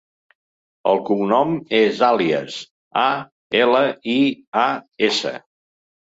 El cognom és Alias: a, ela, i, a, essa.